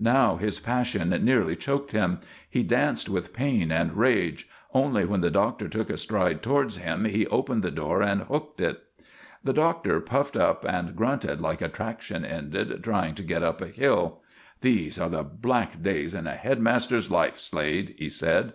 Now his passion nearly choked him; he danced with pain and rage; only when the Doctor took a stride towards him he opened the door and hooked it. The Doctor puffed and grunted like a traction engine trying to get up a hill. "These are the black days in a head master's life, Slade," he said.